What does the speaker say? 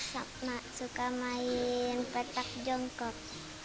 sama suka main petak jongkok